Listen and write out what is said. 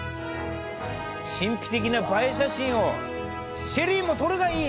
神秘的な映え写真をＳＨＥＬＬＹも撮るがいい！